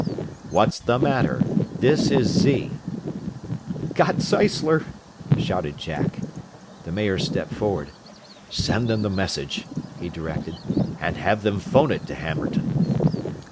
"What's the matter? This is Z." "Got Zeisler!" shouted Jack. The mayor stepped forward. "Send them the message," he directed, "and have them 'phone it to Hammerton."